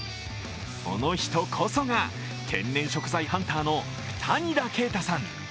この人こそが天然食材ハンターの谷田圭太さん。